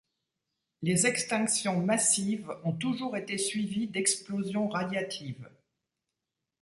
Les extinctions massives ont toujours été suivies d'explosions radiatives.